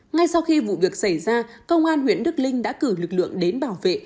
ngay sau khi vụ việc xảy ra công an huyện đức linh đã cử lực lượng đến bảo vệ